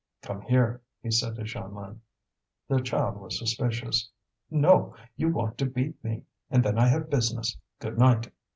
"Come here," he said to Jeanlin. The child was suspicious. "No, you want to beat me. And then I have business. Good night."